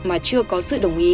mà chưa có sự đồng ý